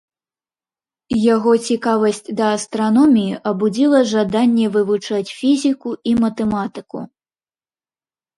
Яго цікавасць да астраноміі абудзіла жаданне вывучаць фізіку і матэматыку.